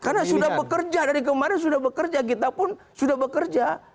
karena sudah bekerja dari kemarin sudah bekerja kita pun sudah bekerja